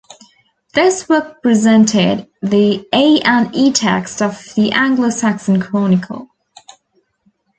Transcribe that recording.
This work presented the A and E texts of the "Anglo-Saxon Chronicle".